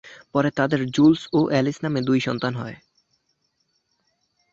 পরে তাদের জুলস ও অ্যালিস নামে দুই সন্তান হয়।